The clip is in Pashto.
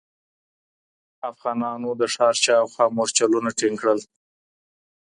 افغانانو د ښار شاوخوا مورچلونه ټینګ کړل.